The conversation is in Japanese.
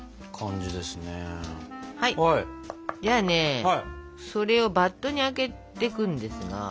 じゃあねそれをバットにあけていくんですが。